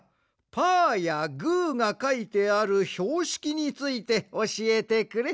パーやグーがかいてあるひょうしきについておしえてくれ。